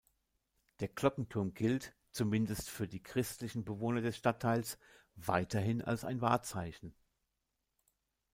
Der Glockenturm gilt, zumindest für die christlichen Bewohner des Stadtteils, weiterhin als ein Wahrzeichen.